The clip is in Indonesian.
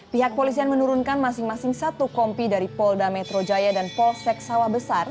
pihak polisian menurunkan masing masing satu kompi dari polda metro jaya dan polsek sawah besar